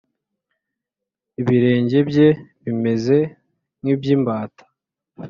ibirenge bye bimeze nk’ iby’ imbata